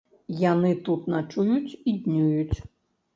Яны тут начуюць і днююць.